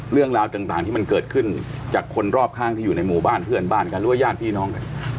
เรื่องราวต่างที่มันเกิดขึ้นจากคนรอบข้างที่อยู่ในหมู่บ้านเพื่อนบ้านกันหรือว่าญาติพี่น้องกัน